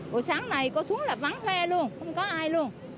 buổi sáng này có xuống là vắng hoe luôn không có ai luôn